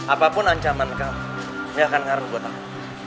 apapun ancaman kamu ini akan ngaruh buat aku